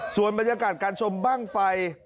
ส่วนบรรยากาศการชมบ้างไฟ